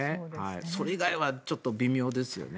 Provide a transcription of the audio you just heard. それ以外はちょっと微妙ですよね。